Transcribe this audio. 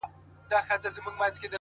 • سم له واکه تللی د ازل او د اسمان یمه ,